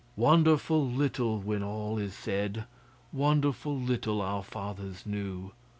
Wonderful little, when all is said, Wonderful little our fathers knew.